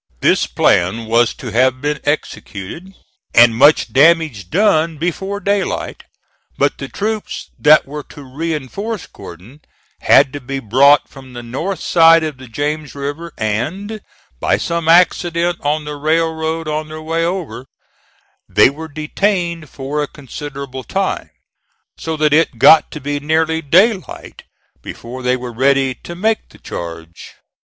This plan was to have been executed and much damage done before daylight; but the troops that were to reinforce Gordon had to be brought from the north side of the James River and, by some accident on the railroad on their way over, they were detained for a considerable time; so that it got to be nearly daylight before they were ready to make the charge.